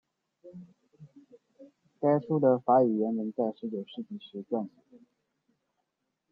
该书的法语原文在十九世纪时撰写。